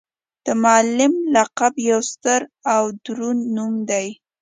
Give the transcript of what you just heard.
د معلم لقب یو ستر او دروند نوم دی.